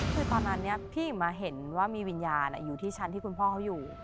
คือตอนนั้นพี่มาเห็นว่ามีวิญญาณอยู่ที่ชั้นที่คุณพ่อเขาอยู่